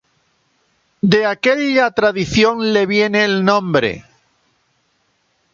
De aquella tradición le viene el nombre.